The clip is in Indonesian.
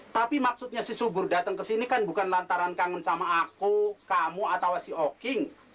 tapi maksudnya si subur datang ke sini kan bukan lantaran kangen sama aku kamu atau si oking